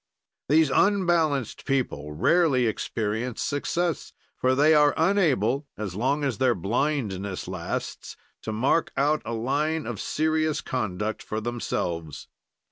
"These unbalanced people rarely experience success, for they are unable, as long as their blindness lasts, to mark out a line of serious conduct for themselves.